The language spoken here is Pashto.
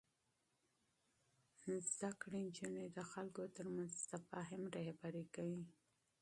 زده کړې نجونې د خلکو ترمنځ تفاهم رهبري کوي.